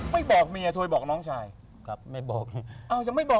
ไม่บอกเมียโทรศัพท์บอกน้องชาย